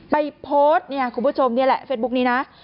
ไปโพสให้คุณผู้ชมเจอแหละเฟสบุ๊กนี้นะ